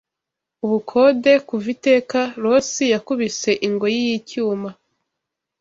ubukode kuva Iteka, Losi yakubise ingoyi yicyuma